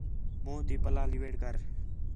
مُنہ تی پَلہ لیویڑ کر